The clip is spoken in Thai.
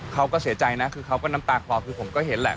เขาก็เสียใจนะคือเขาก็น้ำตาคลอคือผมก็เห็นแหละ